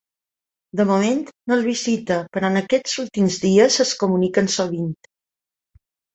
De moment, no el visita, però en aquests últims dies es comuniquen sovint.